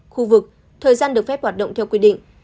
khu vực thời gian được phép hoạt động theo quy định